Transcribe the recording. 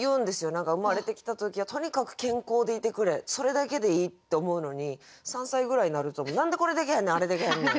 何か生まれてきた時は「とにかく健康でいてくれそれだけでいい」って思うのに３歳ぐらいになると「何でこれできへんねんあれできへんねん。